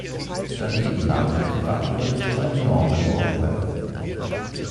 Daneben nahm er Privatunterricht bei Norman Rockwell.